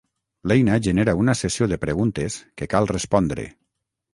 L'eina genera una sessió de preguntes que cal respondre.